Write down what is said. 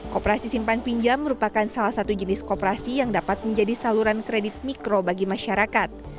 kooperasi simpan pinjam merupakan salah satu jenis kooperasi yang dapat menjadi saluran kredit mikro bagi masyarakat